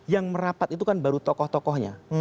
yang merapat itu kan baru tokoh tokohnya